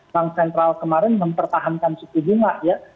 bank sentral kemarin mempertahankan suku bunga ya